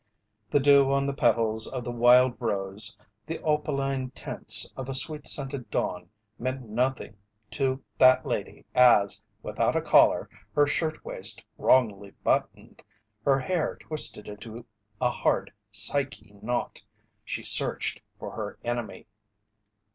The dew on the petals of the wild rose, the opaline tints of a sweet scented dawn meant nothing to that lady as, without a collar, her shirt waist wrongly buttoned, her hair twisted into a hard "Psyche" knot, she searched for her enemy.